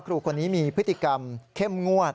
ครูคนนี้มีพฤติกรรมเข้มงวด